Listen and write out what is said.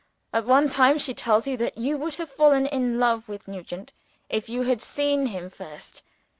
At one time, she tells you that you would have fallen in love with Nugent, if you had seen him first.